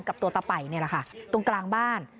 กับตัวตะเป่ายเนี่ยละค่ะตรงกลางบ้าน